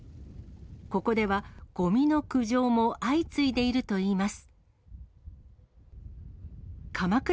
ここではごみの苦情も相次いでいるといいます。